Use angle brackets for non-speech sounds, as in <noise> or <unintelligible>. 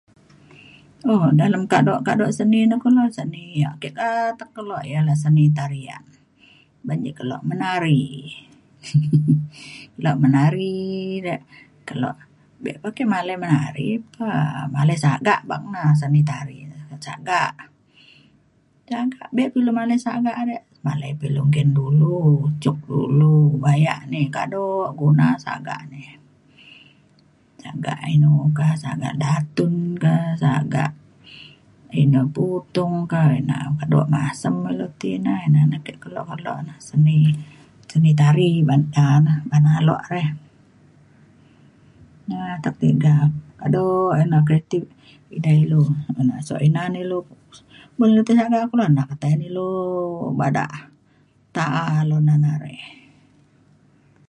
um dalem kaduk kaduk seni ne kulu seni ya' ake atek keluk ya ne seni tarian ban ek keluk menari <laughs> lok menari re keluk be' pe ake malai menari pe malai sagak beng na seni tari sagak sagak be' pe lu malai sagak malai pe lu engkin dulu cuk dulu bayak ni kaduk guna sagak ni sagak inu ka sagak datun ka sagak inu putung ka ina kaduk masem na ilu ti ne ina na ake keluk keluk na seni seni tari ban da na ban aluk re atek tiga kaduk kreati edai ilu suak ina na ilu <unintelligible> tai na ilu badak ta'a ilu na na re